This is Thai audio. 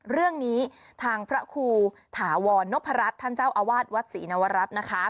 เรื่องนี้ทางพระครูถาวรนพรัชท่านเจ้าอาวาสวัดศรีนวรัฐนะคะ